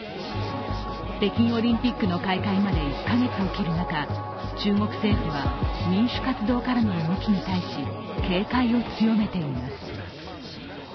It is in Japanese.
北京オリンピックの開会まで１カ月を切る中中国政府は民主活動家らの動きに対し、警戒を強めています。